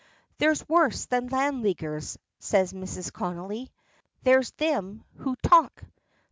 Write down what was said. "There's worse than Land Leaguers," says Mrs. Connolly. "There's thim who talk."